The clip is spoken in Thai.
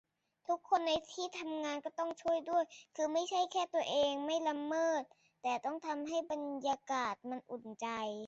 ทุกคนในที่ทำงานก็ต้องช่วยด้วย คือไม่ใช่แค่ตัวเองไม่ละเมิด แต่ต้องทำให้บรรยากาศมันอุ่นใจ